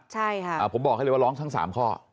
ใช่ค่ะผมบอกให้เลยว่าร้องทั้ง๓ข้อ